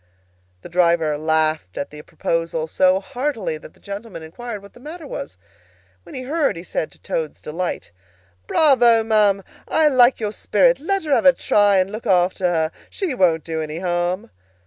The driver laughed at the proposal, so heartily that the gentleman inquired what the matter was. When he heard, he said, to Toad's delight, "Bravo, ma'am! I like your spirit. Let her have a try, and look after her. She won't do any harm."